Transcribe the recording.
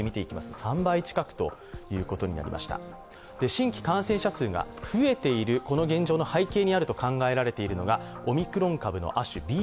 新規感染者数が増えているこの現状の背景にあると考えられているのがオミクロン株の亜種、ＢＡ